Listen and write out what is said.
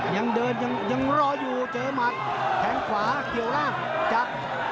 ยังเดินยังรออยู่เจอหมัดแทงขวาเกี่ยวล่างจับ